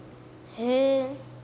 へえ。